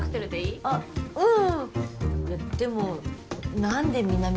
ああうん。